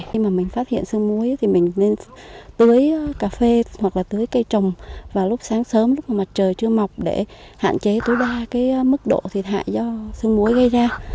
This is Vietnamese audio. khi mà mình phát hiện sương muối thì mình nên tưới cà phê hoặc là tưới cây trồng vào lúc sáng sớm lúc mà mặt trời chưa mọc để hạn chế tối đa cái mức độ thiệt hại do sương muối gây ra